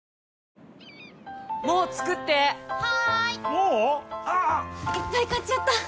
もう⁉ああ・・・いっぱい買っちゃった！